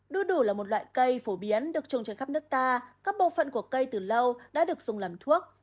đu đủ là một loại cây phổ biến được trồng trên khắp nước ta các bộ phận của cây từ lâu đã được dùng làm thuốc